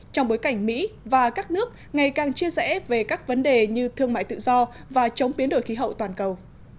trong bối cảnh mỹ và các nước ngày càng chia rẽ về các vấn đề như thương mại tự do và chống biến đổi khí hậu toàn cầu